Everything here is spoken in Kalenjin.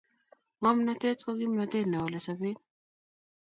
ngomnatet ko kimnatet newalei sapet